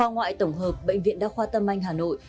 vâng xin cảm ơn bác sĩ với những chia sẻ vừa rồi